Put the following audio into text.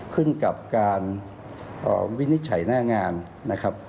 ขึ้นกับการวินิจฉัยหน้างานนะครับ